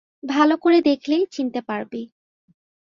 ভালো করে দেখলেই চিনতে পারবি।